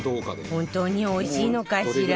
本当においしいのかしら？